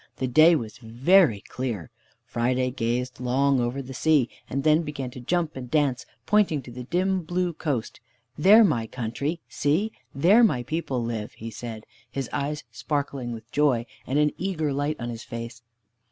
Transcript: The day was very clear. Friday gazed long over the sea, and then began to jump and dance, pointing to the dim blue coast. "There my country! See! There my people live!" he said, his eyes sparkling with joy, and an eager light on his face.